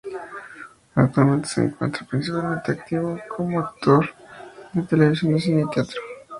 Actualmente se encuentra principalmente activo como actor de televisión, cine y teatro.